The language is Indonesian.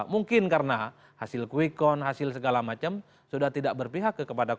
mungkin karena hasil kwikon hasil segala macam sudah tidak berpihak kepada dua